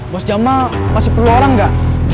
bos jamal masih perlu orang gak